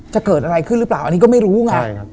จะเกิดอะไรขึ้นหรือเปล่าอันนี้ก็ไม่รู้ไง